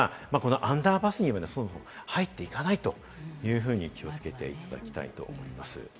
アンダーパスにそもそも入っていかないというふうに気をつけていただきたいと思います。